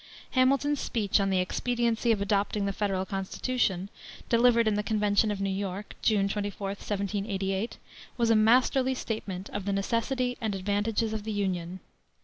Hamilton's speech On the Expediency of Adopting the Federal Constitution, delivered in the Convention of New York, June 24, 1788, was a masterly statement of the necessity and advantages of the Union.